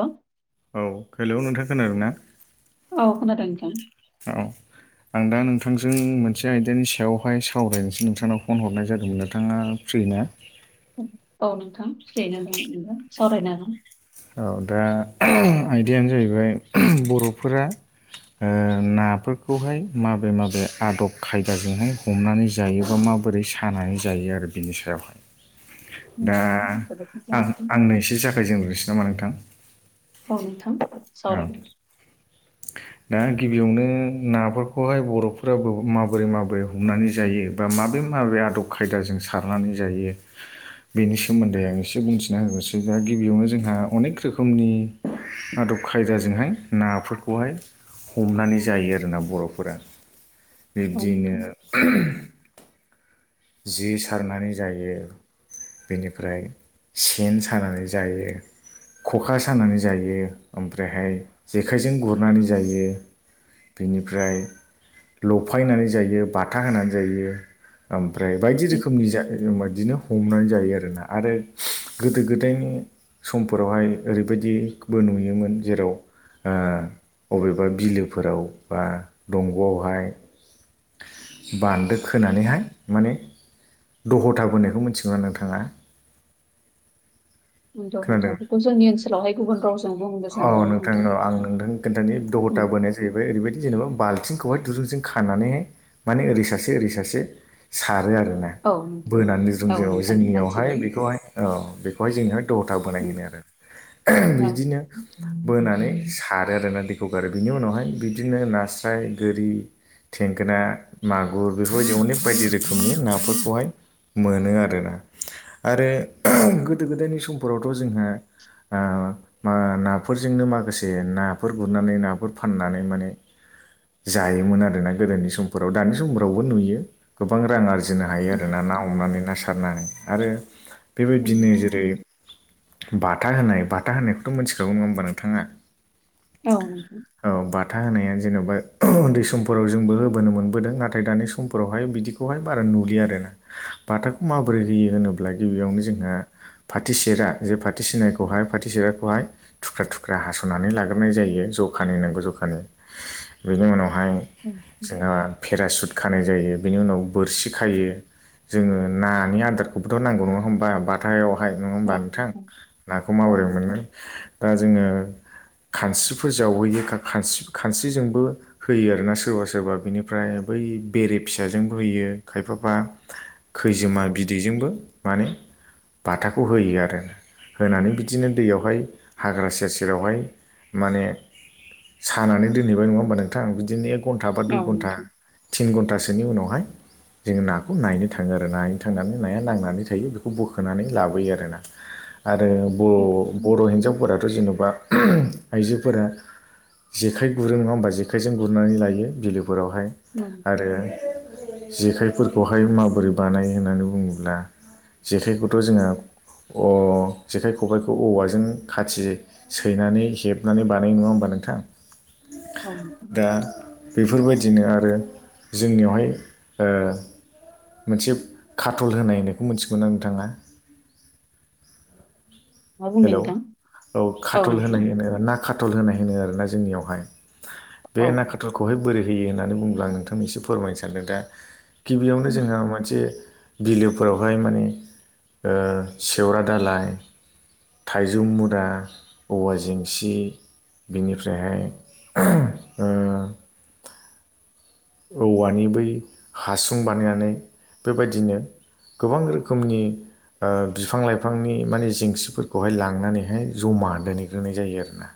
औे औ हेल' नोंथां खोनादों ना औ खोनादों नोंथां औ आं दा नोंथांजों मोनसे आयदानि सायावहाय सावरायनोसै नोंथांनाव फन हरनाय जादोंमोन नोंथाङा फ्रिना औ नोंथां फिरियैनो दं सावरायनो हागोन औ दा आयदायानो जाहैबाय बर'फोरा नाफोरखौहाय माबे माबे आदब खायदाजोंहाय हमनानै जायोबा माब बोरै सानानै जायो आरो बिनि सायावहाय उम, दा जोबोद मोजां आं आंनो एसे जागायजेनग्रनोसै नामा नोंथां औ नोंथां सावराय [unintelligible] दा गिबियावनो नाफोरखौहाय बर'फोरा माबोरै माबोरै हमनानै जायो बा माबे माबे आदब खायदाजों सारनानै जायो बेनि सोमोन्दै आं एसे बुंथिना होसै दा गिबियावनो जोंहा अनेक रोखोमनि आदब खायदाजोंहाय नाफोरखौहाय हमनानै जायो आरोना बर'फोरा औ बिब्दिनो नोंथां जि सारनानै जायो बेनिफ्राय सेन सानानै जायो खखा सानानै जायो ओमफ्रायहाय जेखाइजों गुरनानै जायो बेनिफ्राय लफायनानै जायो बाथा होनानै जायो ओमफ्राय बायदि रोखोमनि दिनो हमनानै जायो आरोना आरो गोदो गोदायनि समफोरावहाय ओरैबायदिबो नुयोमोन जेराव अबेबा बिलोफोराव बा दंग'आवहाय बान्दो खोनानैहाय माने दह'था बोनायखौ मिथिगौ ना नोंथाङा खोनादों बे जोंनि ओनसोलावहाय गुबुन राव औ नोंथां औ आं नोंथां खोन्थानि दहथा उम, बोनोसै जाहैबाय ओरैबायदि जेनेबा बाल्थिंखौहाय दुरुंजों खानानैहाय माने ओरै सासे ओरै सासे सारो आरो ना औ बोनानै जों औ जेराव नोंथां जोंनियावहाय मोनथिबाय बेखौहाय औ बेखौहाय जोंहाय दहथा उम, बोनायहो आरो औ बिदिनो बोनानै सारो आरोना दैखौ गारो बिनि उनावहाय बिदिनो नास्राय गोरि थेंगोना मागुर बेफोरबायदि अनेक बायदि रोखोमनि नाफोरखौहाय मोनो आरोना आरो नोंथां गोदो गोदायनि समफोरावथ' जोंहा मा नाफोरजोंनो माखासे नाफोर गुरनानै नाफोर फाननानै माने जायोमोन आरोना गोदोनि समफोराव दानि समफोरावबो नुयो गोबां रां आरजि फुजिनो हायो आरो उम, ना ना हमनानै ना सारनानै आरो औ बेबायदिनो नोंथां जेरै बाथा होनाय बाथा होनायखौथ' मोनथिखागौ नङा हबा नोंथाङा औ औ बाथा होनाया जेनेबा उन्दै समफोराव जोंबो होबोनो मोनबोदों नाथाय दानि समफोरावहाय बिदिखौ खौहाय बारा नुलि आरोना बाथाखौ माबोरै होयो होनोब्ला गिबियावनो जोंहा फाथि सेरा जे फाथि सिनायखौहाय फाथि सेराखौहाय थुख्रा थुख्रा हास'नानै लाग्रोनाय जायो जखानि नांगौ जखानि बेनि उनावहाय उम, जोंहा पेरासुट खानाय जायो बेनि उनाव बोरसि खायो जोङो नानि आदारखौबोथ' नांगौ नङा होमबा बार हाथायावहाय नङा होमबा नोंथां नाखौ औ नोंथां औ नोंथां औ माबोरै मोननो दा जोङो खानस्रिफोर जावहैयो खानस्रि खानस्रिजोंबो होयो आरोना सोरबा सोरबा बेनिफ्राय बै बेरे फिसाजोंबो होयो खायफाफा खैजोमा बिदैजोंबो माने बाथाखौ होयो आरो होनानै बिदिनो दैयावहाय हाग्रा सेर सेरावहाय माने सानानै दोनहैबाय नङा होमबा नोंथां बिदिनो घन्टा बा दुइ घन्टा नोंथां थिन घन्टासोनि उनावहाय जोङो नाखौ नायनो थाङो आरो नायनो थांनानै नाया नांनानै थायो बेखौ बोखोनानै लाबोयो आरो ना आरो बर औ बर' हिनजावफोराथ' जेन'बा आइजोफोरा जेखाइ गुरो नङा होमबा जेखाइजों गुरनानै लायो बिलोफोरावहाय आरो नोंथां जेखाइफोरखौहाय माबोरै बानायो होननानै बुङोब्ला जेखाइखौथ' जोङो जेखाइ खबाइखौ औवाजों खाथि सैनानै हेबनानै बानायो नङा होमबा नोंथां औ नोंथां दा बेफोरबायदिनो आरो जोंनियावहाय मोनसे काटल होनायनायखौ मोनथिगौमोन आं नोंथाङा मा बुंदों हेलौ नोंथां औ खाटल होनाय होननांगोन ना काटल होनाय होनो आरोना जोंनियावहाय बे औ ना खाटलख खौहाय बोरै होयो होननानै बुंब्ला आं नोंथांनो एसे फोरमायनो सानदों दा गिबियावनो जोङो मोनसे बिलोफोरावहाय माने ओ सेवरा दालाय थाइजौ मुरा औवा जेंसि बिनिफ्रायहाय ओ औवानि बै हासुं बानायनानै बेबायदिनो गोबां रोखोमनि ओ बिफां लाइफांनि माने जेंसिफोरखौहाय लांनानैहाय जमा दोनहैग्रोनाय जायो आरोना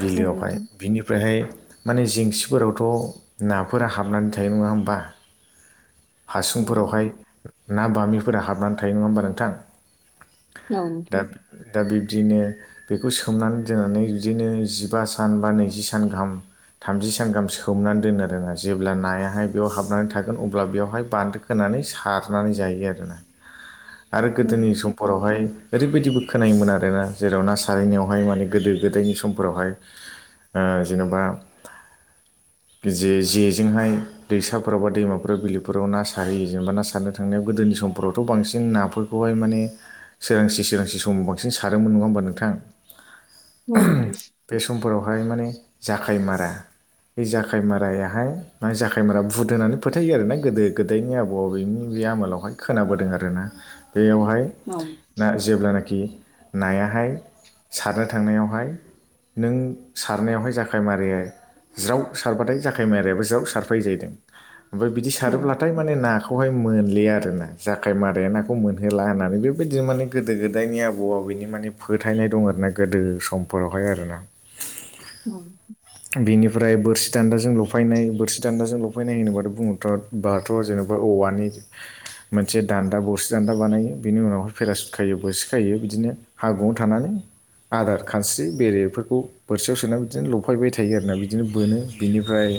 बिलोआवहाय नोंथां बिनिफ्रायहाय माने जेंसिफोरावथ' नाफोरा हाबनानै थायो नङा होमबा औ नोंथां हासुंफोरावहाय ना बामिफोरा हाबनानै थायो नङा होमबा नोंथां औ दा नोंथां दा बिब्दिनो बेखौ सोमनानै दोननानै बिदिनो जिबा सान बा नैजि सान गाहाम थामजि सान गाहाम सोमनानै दोनो आरोना जेब्ला नायाहाय बेयाव हाबनानै थागोन अब्ला बेवहाय बान्दो खोनानै सारनानै जायो आरोना आरो औ गोदोनि सम फोरावहाय ओरैबायदिबो खोनायोमोन आरो ना जेराव ना सारहै नायावहाय माने गोदो गोदायनि समफोरावहाय ओ जेनबा जे जेजोंहाय दैसाफोराव बा दैमाफोराव बिलोफोराव ना साहोयो जेनबा ना सारनो थांनायाव गोदोनि समफोरावथ' बांसिन नाफोर खौहाय माने सोरांसि सोरांसि समाव बांसिन सारोमोन नङा होमबा नोंथां औ नोंथां बे समफोरावहाय माने जाखाय मारा बे जा खायमारायाहाय मा जाखायमारा भुद होनानै फोथायो आरो ना गोदो गोदायनि आबौ आबैनि बे आमोलावहाय खोनाबोदों आरोना बेयावहाय औ जेब्लानोखि नायाहाय सारनो थांनायावहाय नों सारनायावहाय जाखाय माराया ज्राव सारबाथाय जाखायमाराबो ज्राव सारफायो जाहैदों ओमफाय बिदि औ सारोब्लाथाय माने नाखौहाय मोनलियि आरोना जाखाय माराया नाखौ मोनहोला होननानै बेबायदिनो माने गोदो गोदायनि आबौ आबैनि माने फोथायनाय दं आरोना गोदो समफोरावहाय आरोना [inaudible] औ बेनिफ्राय बोरस दान्दाजों ल'फायनाय बोरसि दान्दाजों लफायनाय होनोबाथ' बुङोथ' बाथ' जेनेबा औवानि मोनसे दान्दा बोरसि दान्दा बानायो बिनि उनावहाय पेरासुट खायो बोरसि खायो बिदिनो हायबुङाव थानानै आदार खानस्रि बेरेफोरखौ बोरसियाव सोना बिदिनो लफायबाय थायो आरोना बिदिनो बोनो बिनिफ्राय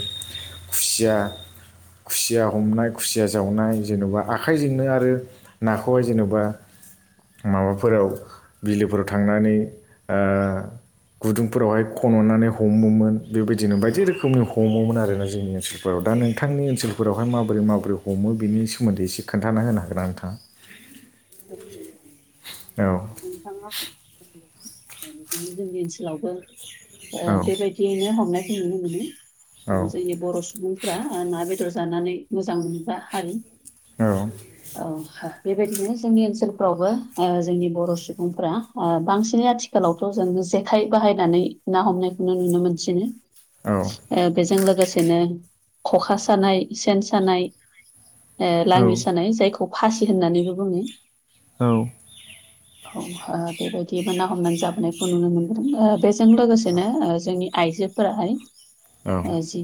खुसिया खुसिया हमनाय खुसिया जावनाय जेनेबा आखाइजोंनो आरो नाखौहाय जेनेबा माबाफोराव बिलोफोराव थांनानै ओ गुदुंफोरावहाय खन'नानै हमोमोन बेबायदिनो बायदि रोखोम [unintelligible] हमोमोन आरोना जोंनि ओनसोलफोराव दा नोंथांनि ओनसोलफोरावहाय माबोरै माबोरै हमो बिनि सोमोन्दै एसे खोन्थाना होनो हागोना नोंथाङा? [inaudible] औ नोंथाङा [inaudible] बिदिनो जोंनि ओनसोलावबो ओ औ बेबाय दियैनो हमनायखौ नुनो मोनो औ ओ जोंनि बर' सुबुं फ्रा ना बेदर जानानै मोजां मोनग्रा हारि औ औ बेबायदिनो जोंनि ओनसोलफ्रावबो ओ जोंनि बर' सुबुंफ्रा ओ बांसिनै आथिखालावथ' जों जेखाइ बाहायनानै ना हमनायखौनो नुनो मोनसिनो औ ओ बेजों लोगोसेनो खखा सानाय सेन सानाय लाङि सानाय जायखौ फासि होननानैबो बुङो औ औ ओ बेबायदिबो ना हमनानै जाबोनायखौ नुनो मोनदों ओ बेजों लोगोसेनो जोंनि आइजोफोराहाय औ ओ जि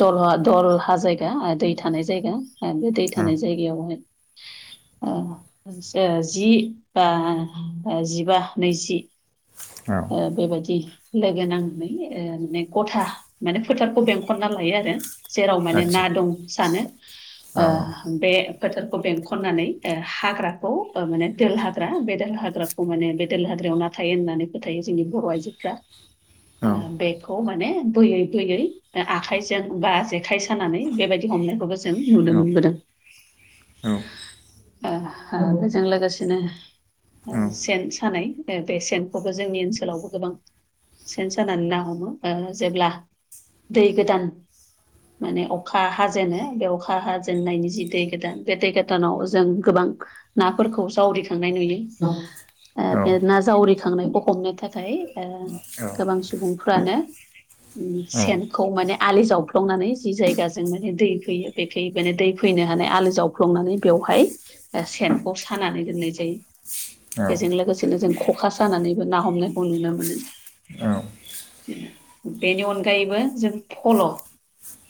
दल दलहा जायगा दै थानाय जायगा दै औ थानाय जायगायावहाय ओ जे जि बा जिबा नैजि औ ओ बेबायदि लोगो नांनानै ओ माने गथा माने फोथारखौ बेंखनना लायो आरो जेराव माने ना आदसा दं सानो ओ औ बे फोथारखौ बेंखननानै ओ हाग्राखौ ओ माने दोल हा ग्रा बे दोल हाग्राखौ माने बे दोल हाग्रायाव ना थायो होननानै फोथायो जोंनि बर' आइजोफ्रा औ ओ बे खौ माने बोयै बोयै आखाइजों बा जेखाइ सानानै बेबायदि हमनायखौ जों औ नुनो मोनबोदों औ ओ बेजों लोगोसेनो ओ सेन सानाय ओ बे सेनखौबो जोंनि ओनसोलावबो गोबां सेन सानानै ना हमो जेब्ला दै गोदान माने अखा हाजेनो बे अखा हाजेननायनि जि दै गोदान बे दै गोदानाव जों गोबां नाफोरखौ जावरिखांनाय नुयो बे ना जावरिखांनायखौ हमनो थाखाय थाखाय गोबां सुबुंफ्रानो सेन माने आलि जावफ्लंनानै जि जायगाजों माने दै फैयो बेखौ माने दै फैनो हानाय आलि जा फ्लंनानै बेवहाय सेनखौ सानानै दोन बेजों लोगोसेनो जों खखा सानानैबो ना हमनायखौ नुनो मोनो औ बेनि अनगायैबो जों फल'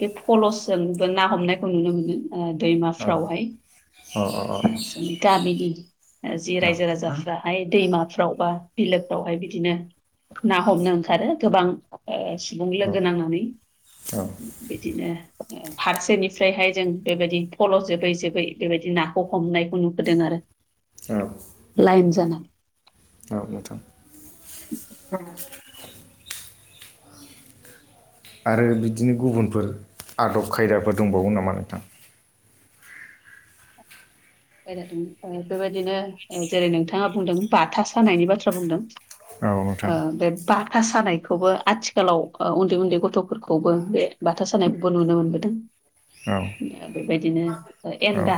बे फलसजोंबो ना हमनायखौ नुनो मोनो ओ दैमाफ्रावहाय जोंनि गामिनि जि रायजो राजाफ्राहाय दैमाफ्राव बा बिलोफ्रावहाय बिदिनो ना हमनो ओंखारो गोबां सुबुं लोगो नांनानै बिदिनो फारसेनिफ्रायहाय जों बेबायदि फल' जोबै जोबै बेबायदि नाखौ हमनायखौ नुबोदों आरो औ लाइन जाना औ नोंथां [unintelligible] [inaudible] आरो बिदिनो गुबुनफोर आदब खायदाफोर दंबावो नामा नोंथां [unintelligible] बेबायदिनो जेरै नोंथाङा बुंदों बाथा सानायनि बाथ्रा बुंदों औ नोंथां ओ बे बाथा सानायखौबो आथिखालाव उन्दै उन्दै गथ'फोरखौबो बे बाथा सानायबो नुनो मोनबोदों औ बेबायदिनो औ एन्दा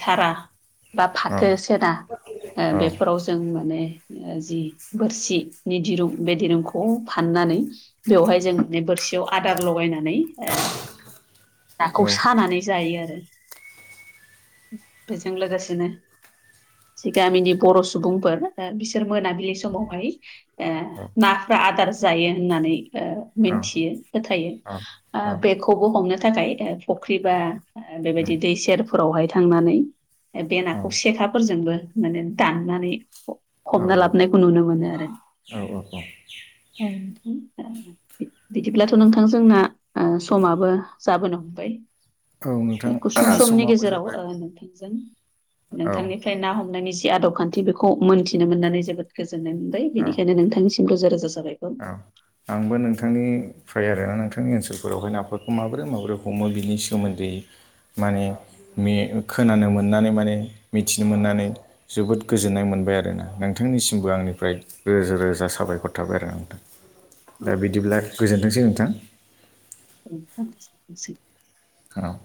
थारा बा औ फाथो सेना बेफोराव जों माने जि बोरसिनि दिरुं बे दिरुंखौ फाननानै बेवहाय जों बोरसियाव आदार लगायनानै ओ नाखौ सानानै जायो आरो बेजों लोगोसेनो गामिनि बर' सुबुंफोर बिसोर मोनाबिलि समावहाय ओ नाफोरा आदार जायो होननानै ओ मोन्थियो फोथायो बेखौबो हमनो थाखाय फुख्रि बा आ बेबायदि दै सेरफोरावहाय थांनानै बे नाखौ सेखाफोरजोंबो माने दाननानै हमना लाबोनायखौ औ नुनो मोनो आरो औ बिदिब्लाथ' नोंथां जोंना समाबो जाबोनो हमबाय औ गुसुं नोंथां समनि समाबो गेजेराव जाबाय नोंथां औ नोंथांनिफ्राय ना हमनायनि जि आदब खान्थि बेखौ मोनथिनो मोननानै जोबोद गोजोननाय मोनबाय औ बेनिखायनो नोंथांनिसिम रोजा रोजा साबायखर औ आंबो नोंथांनि फ्राय आरोना नोंथांनि ओनसोलफोरावहाय नाफोरखौ माबोरै माबोरै हमो बिनि सोमोन्दै माने खोनानो मोननानै माने मिथिनो मोननानै जोबोद गोजोननाय मोनबाय आरोना नोंथांनिसिमबो आंनिफ्राय रोजा रोजा साबायखर थाबाय आरो आं औ दा बिदिब्ला गोजोनथोंसै नोंथां औ [unintelligible] औ